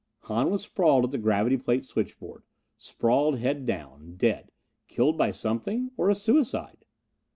Hahn was sprawled at the gravity plate switchboard. Sprawled, head down. Dead. Killed by something? Or a suicide?